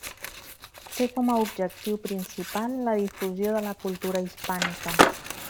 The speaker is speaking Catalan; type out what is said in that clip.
Té com a objectiu principal la difusió de la cultura hispànica.